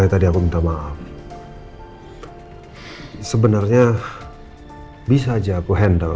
silahkan mbak mbak